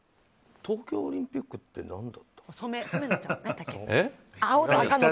東京オリンピックって何だったっけ。